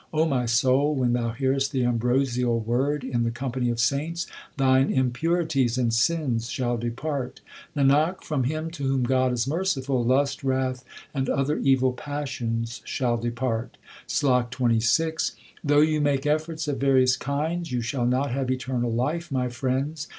O my soul, when thou hearest the ambrosial word in the company of saints, Thine impurities and sins shall depart. 1 Nanak, from him to whom God is merciful, Lust, wrath, and other evil passions shall depart. SLOK XXVI Though you make efforts of various kinds, you shall not have eternal life, my friends.